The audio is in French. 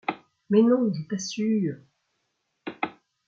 Mais non, je t’assure. ..